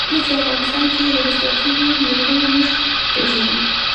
کله چې افغانستان کې ولسواکي وي نړۍ موږ پېژني.